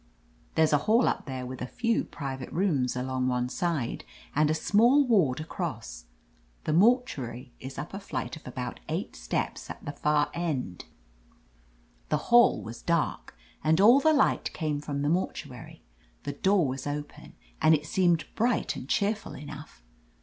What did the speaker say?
There's a hall up there, with a few private rooms along one side, and a small ward across. The mortuary is up a flight of about eight steps, ^t the far end. "The hall was dark, and all the light came from the mortuary. The door was open, and it seemed bright and cheerful enough.